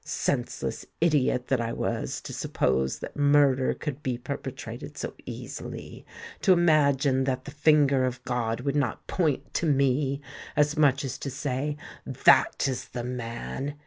Senseless idiot that I was to suppose that murder could be perpetrated so easily—to imagine that the finger of God would not point to me, as much as to say 'That is the man.'